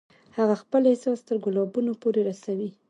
هغه خپل احساس تر ګلابونو پورې رسوي